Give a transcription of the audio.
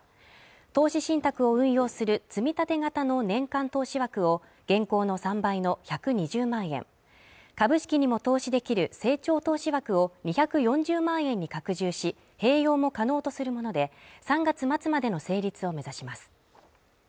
投資信託を運用する積立型の年間投資枠を現行の３倍の１２０万円株式にも投資できる成長投資枠を２４０万円に拡充し併用も可能とするもので３月末までの成立を目指します